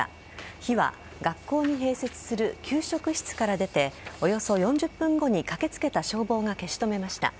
火は学校に併設する給食室から出ておよそ４０分後に駆けつけた消防が消し止めました。